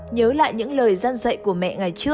nhớ lại những lời dân dạy của mẹ